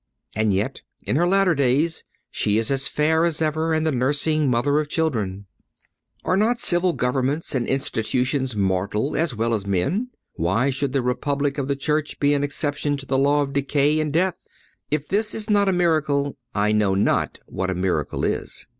And yet in her latter days, she is as fair as ever, and the nursing mother of children. Are not civil governments and institutions mortal as well as men? Why should the Republic of the Church be an exception to the law of decay and death? If this is not a miracle, I know not what a miracle is.